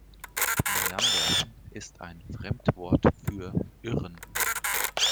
Meandern ist ein Fremdwort für "Irren".